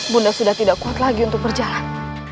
bunda sudah tidak kuat lagi untuk berjalan